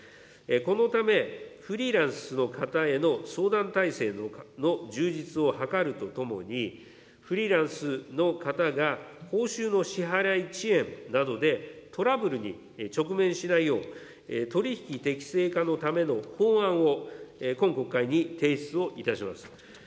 このため、フリーランスの方への相談体制の充実を図るとともに、フリーランスの方が報酬の支払い遅延などでトラブルに直面しないよう、取り引き適正化のための法案を、今国会に提出をいたします。